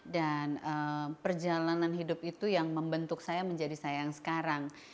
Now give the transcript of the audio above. dan perjalanan hidup itu yang membentuk saya menjadi saya yang sekarang